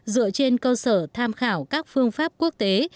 dựa trên cơ sở tham khảo các phương pháp quốc tế